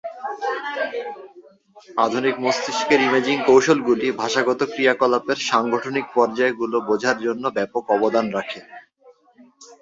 আধুনিক মস্তিষ্কের ইমেজিং কৌশলগুলি ভাষাগত ক্রিয়াকলাপের সাংগঠনিক পরযায় গুলো বোঝার জন্য ব্যাপক অবদান রাখে।